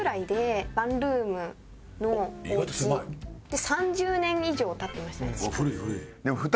で３０年以上経ってましたね築。